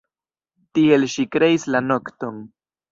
Tiel ŝi kreis la nokton.